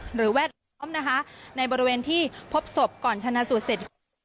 แวดล้อมนะคะในบริเวณที่พบศพก่อนชนะสูตรเสร็จ